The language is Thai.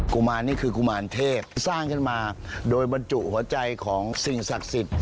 กุมารนี่คือกุมารเทพสร้างขึ้นมาโดยบรรจุหัวใจของสิ่งศักดิ์สิทธิ์